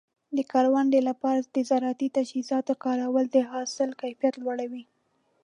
د کروندې لپاره د زراعتي تجهیزاتو کارول د حاصل کیفیت لوړوي.